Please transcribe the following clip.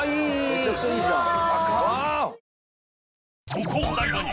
めちゃくちゃいいじゃん。